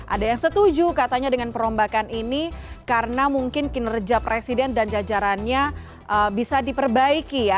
ada yang setuju katanya dengan perombakan ini karena mungkin kinerja presiden dan jajarannya bisa diperbaiki ya